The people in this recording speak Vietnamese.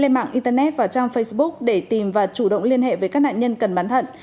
mạng internet và trang facebook để tìm và chủ động liên hệ với các nạn nhân cần bán thận